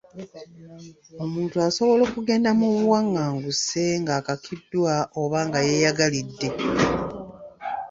Omuntu asobola okugenda mu buwanganguse ng'akakiddwa oba nga yeeyagalidde.